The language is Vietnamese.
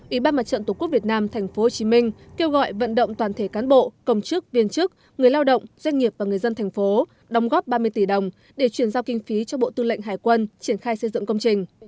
ủy ban mặt trận tổ quốc việt nam tp hcm kêu gọi vận động toàn thể cán bộ công chức viên chức người lao động doanh nghiệp và người dân thành phố đóng góp ba mươi tỷ đồng để chuyển giao kinh phí cho bộ tư lệnh hải quân triển khai xây dựng công trình